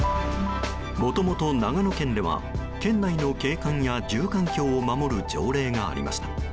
もともと長野県では県内の景観や住環境を守る条例がありました。